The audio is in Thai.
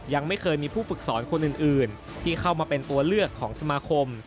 ยังไม่เคยมีผู้ฝึกสอนคนอื่นที่เข้ามาเป็นตัวเลือกของสมาคม